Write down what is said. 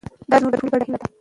دا زموږ د ټولو ګډه هیله ده.